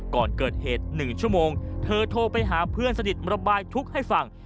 ก่อนเกิดเหตุ๑ชั่วโมงเธอโทรไปหาเพื่อนสนิทระบายทุกข์ให้ฟัง